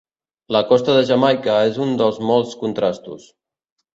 La costa de Jamaica és un dels molts contrastos.